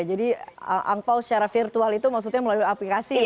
jadi angpao secara virtual itu maksudnya melalui aplikasi gitu ya